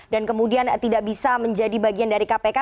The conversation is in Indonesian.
dan kemudian tidak bisa menjadi bagian dari kpk